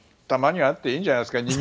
たまにはあっていいんじゃないですか。